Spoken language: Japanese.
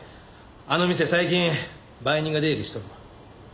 あの店最近売人が出入りしとる。